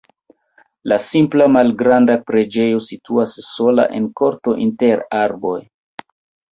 La simpla malgranda preĝejo situas sola en korto inter arboj.